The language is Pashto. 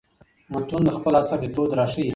متون د خپل عصر لیکدود راښيي.